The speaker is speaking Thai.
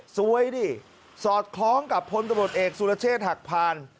สวยดิสอดคล้องกับพลตำรวจเอกสุรเชษฐ์หักพาน